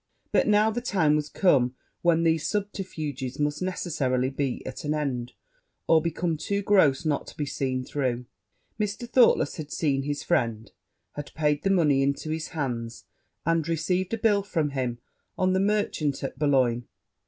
But now the time was come when the subterfuges must necessarily be at an end, or become too gross not to be seen through. Mr. Thoughtless had seen his friend had paid the money into his hands, and received a bill from him on the merchant at Bologne.